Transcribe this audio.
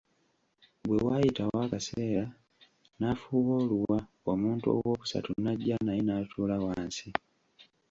Bwe waayitawo akaseera n'afuuwa oluwa omuntu ow'okusatu n'ajja naye n'atuula wansi.